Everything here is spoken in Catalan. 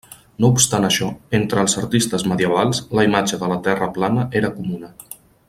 No obstant això, entre els artistes medievals, la imatge de la Terra plana era comuna.